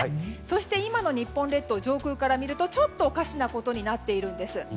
そして今の日本列島上空から見るとちょっとおかしなことになっているんです。